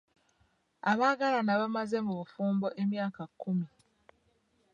Abaagalana bamaze mu bufumbo emyaka kkumi.